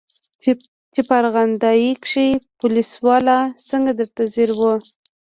چې په ارغندې کښې پوليس والا څنګه درته ځير و.